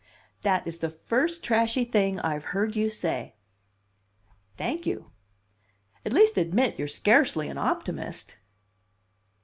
"That is the first trashy thing I've heard you say." "Thank you! At least admit you're scarcely an optimist."